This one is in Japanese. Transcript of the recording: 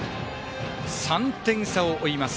３点差を追います。